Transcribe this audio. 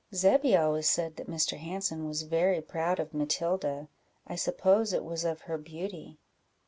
"Zebby always said that Mr. Hanson was very proud of Matilda I suppose it was of her beauty."